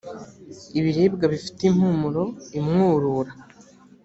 ibiribwa bifite impumuro imwurura.